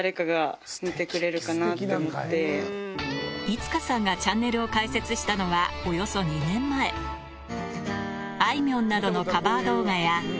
五花さんがチャンネルを開設したのはおよそ２年前あいみょんなどのカバー動画や